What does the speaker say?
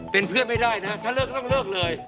เป็นเพื่อนไม่ได้นะถ้าเลิกต้องเลิกเลย